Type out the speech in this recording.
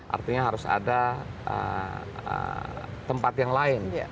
artinya harus ada tempat yang lain